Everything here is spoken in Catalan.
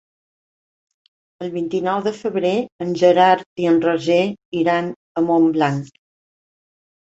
El vint-i-nou de febrer en Gerard i en Roger iran a Montblanc.